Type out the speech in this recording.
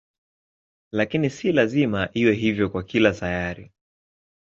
Lakini si lazima iwe hivyo kwa kila sayari.